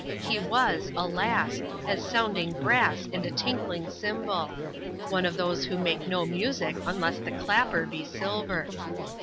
He was, alas! as sounding brass and a tinkling cymbal ; one of those who make no music unless the clapper be silver.